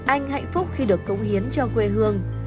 anh hạnh phúc khi được cống hiến cho quê hương